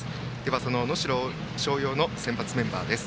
その能代松陽の先発メンバーです。